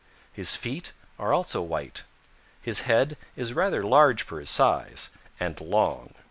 His feet are also white. His head is rather large for his size, and long.